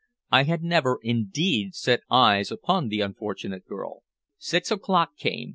I had never, indeed, set eyes upon the unfortunate girl. Six o'clock came.